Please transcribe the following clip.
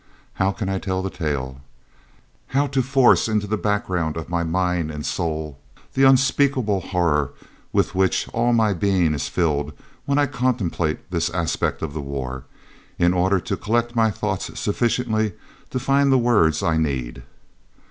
How can I tell the tale? How force into the background of my mind and soul the unspeakable horror with which all my being is filled when I contemplate this aspect of the war, in order to collect my thoughts sufficiently to find the words I need?